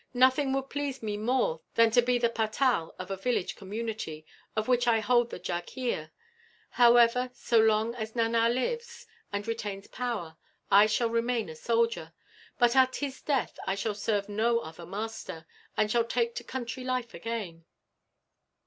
Nothing would please me more than to be the patal of a village community, of which I hold the jagheer. However, so long as Nana lives and retains power I shall remain a soldier; but at his death I shall serve no other master, and shall take to country life again.